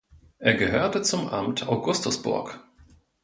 Er gehörte zum Amt Augustusburg.